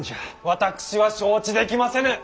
私は承知できませぬ！